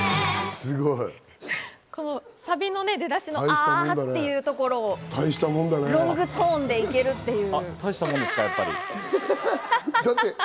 すごい！サビの出だしの「あぁ」っていうところ、ロングトーンで行けるっていう。